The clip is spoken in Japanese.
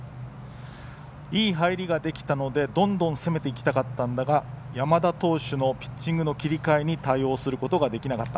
いい入りができたのでどんどん攻めていきたかったんだが山田投手のピッチングの切り替えに対応することができなかった。